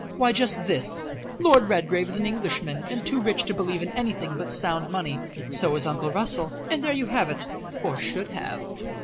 Why just this, Lord Redgrave is an Englishman and too rich to believe in anything but sound money, so is Uncle Russell, and there you have it, or should have."